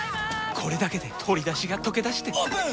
これだけで鶏だしがとけだしてオープン！